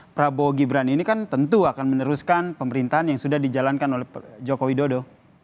prabowo gibran ini kan tentu akan meneruskan pemerintahan yang sudah dijalankan oleh joko widodo